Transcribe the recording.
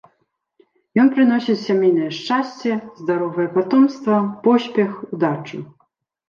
Ён прыносіць сямейнае шчасце, здаровае патомства, поспех, удачу.